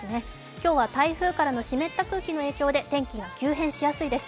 今日は台風からの湿った空気の影響で天気が急変しやすいです。